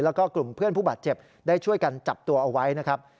แล้วก็กลุ่มเพื่อนผู้บาดเจ็บได้ช่วยกันจับตัวเอาไว้นะครับ